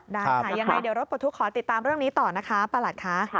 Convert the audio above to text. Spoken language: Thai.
ได้ค่ะยังไงเดี๋ยวรถปลดทุกข์ขอติดตามเรื่องนี้ต่อนะคะประหลัดค่ะ